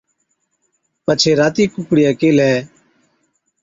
پڇي راتِي ڪُوڪڙِيئَي ڪيھلَي۔